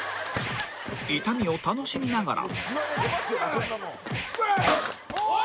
痛みを楽しみながらうっ！